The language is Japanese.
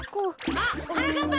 あっはなかっぱ！